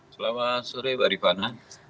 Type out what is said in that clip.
selamat sore mbak rifana